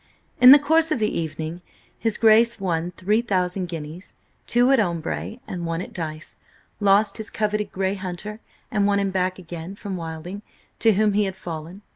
In the course of the evening his Grace won three thousand guineas–two at ombre and one at dice–lost his coveted grey hunter and won him back again from Wilding, to whom he had fallen.